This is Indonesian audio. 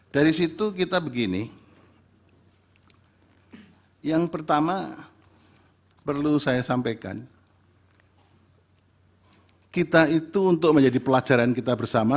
dari situ kita begini yang pertama perlu saya sampaikan kita itu untuk menjadi pelajaran kita bersama